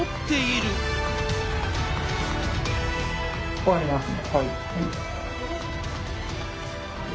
終わりますね。